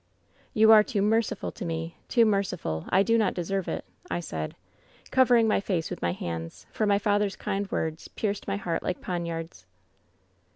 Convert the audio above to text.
" 'You are too merciful to me — ^too merciful. I do not deserve it,' I said, covering my face with my hands, for my father's kind words pierced my heart like poinards.